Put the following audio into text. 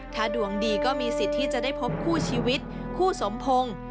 ถ้าดวงดีก็มีสิทธิ์ที่จะได้พบคู่ชีวิตคู่สมพงศ์